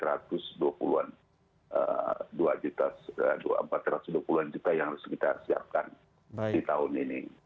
rp empat ratus dua puluh an juta yang harus kita siapkan di tahun ini